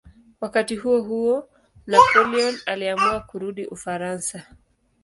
Wakati huohuo Napoleon aliamua kurudi Ufaransa.